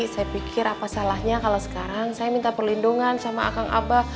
saya pikir apa salahnya kalau sekarang saya minta perlindungan sama akang abah